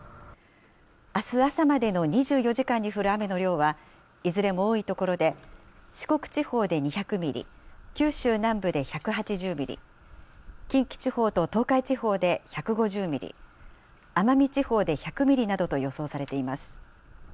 あす朝までの２４時間に降る雨の量は、いずれも多い所で、四国地方で２００ミリ、九州南部で１８０ミリ、近畿地方と東海地方で１５０ミリ、奄美地方で１００ミリなどと予想されています。